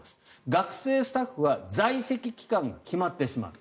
学生スタッフは在籍期間が決まってしまうと。